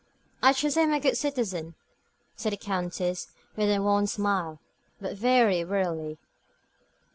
"I trust I am a good citizen," said the Countess, with a wan smile, but very wearily.